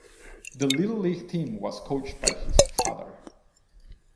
His Little League team was coached by his father.